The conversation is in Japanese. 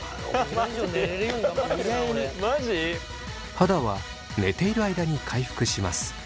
肌は寝ている間に回復します。